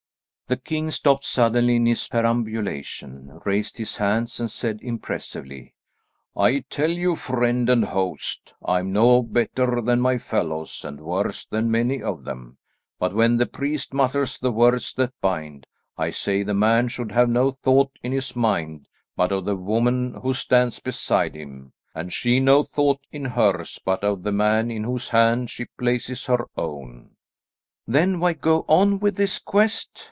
The king stopped suddenly in his perambulation, raised his hands and said impressively, "I tell you, friend and host, I am no better than my fellows and worse than many of them, but when the priest mutters the words that bind, I say the man should have no thought in his mind, but of the woman who stands beside him; and she no thought in hers but of the man in whose hand she places her own." "Then why go on with this quest?"